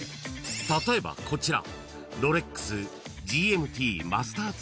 ［例えばこちら］